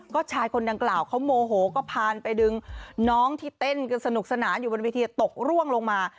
ก็ชายคนดังกล่าวเขาโมโหก็พานไปดึงน้องที่เต้นกันสนุกสนานอยู่บนเวทีตกร่วงลงมา